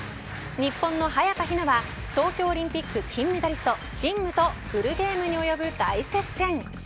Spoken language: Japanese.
日本の早田ひなは東京オリンピック金メダリスト陳夢とフルゲームに及ぶ大接戦。